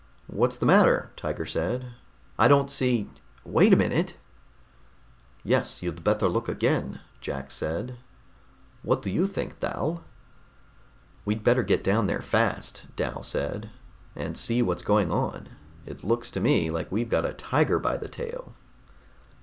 "What's the matter?" Tiger said. "I don't see ... wait a minute!" "Yes, you'd better look again," Jack said. "What do you think, Dal?" "We'd better get down there fast," Dal said, "and see what's going on. It looks to me like we've got a tiger by the tail...."